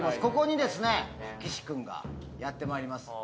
ここにですね岸君がやってまいります。